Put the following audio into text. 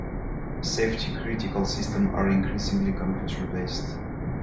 Safety-critical systems are increasingly computer-based.